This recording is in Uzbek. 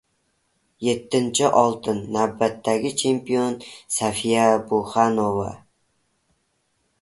Yettinchi oltin! Navbatdagi chempion – Safiya Burxanova!